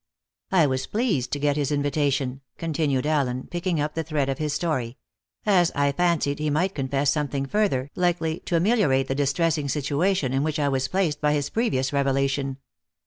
"I was pleased to get his invitation," continued Allen, picking up the thread of his story, "as I fancied he might confess something further, likely to ameliorate the distressing situation in which I was placed by his previous revelation.